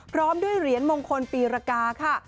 พร้อมด้วยเหรียญมงคลปีรกาค่ะ